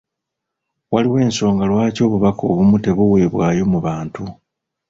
Waliwo ensonga lwaki obubaka obumu tebuweebwayo mu bantu.